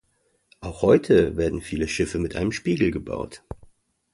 Auch heute werden viele Schiffe mit einem Spiegel gebaut.